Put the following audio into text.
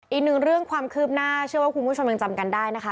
อีกหนึ่งเรื่องความคืบหน้าเชื่อว่าคุณผู้ชมยังจำกันได้นะคะ